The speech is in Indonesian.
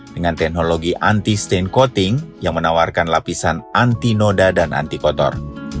dengan teknologi anti stand coating yang menawarkan lapisan anti noda dan antikotor